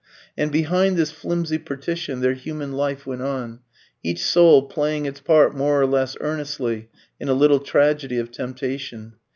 And behind this flimsy partition their human life went on, each soul playing its part more or less earnestly in a little tragedy of temptation.